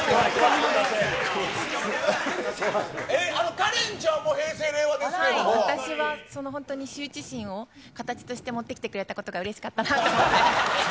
カレンちゃんも平成・令和で私は本当に羞恥心を形として持ってきてくれたことがうれしかったなって思って。